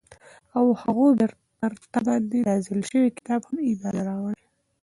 او هغو چې پر تا باندي نازل شوي كتاب هم ايمان راوړي